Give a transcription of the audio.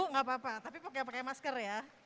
nggak apa apa tapi pakai masker ya